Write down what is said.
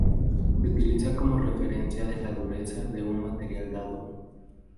Se utiliza como referencia de la dureza de un material dado.